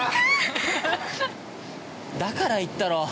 だから言ったろ？